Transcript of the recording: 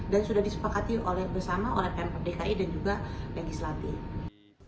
dan sudah disepakati bersama oleh pemper dki dan juga dki selatih